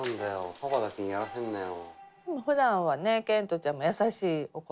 パパだけにやらせんなよ。